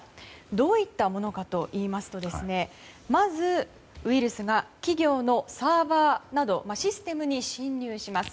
どういったものかといいますとまず、ウイルスが企業のサーバーなどシステムに侵入します。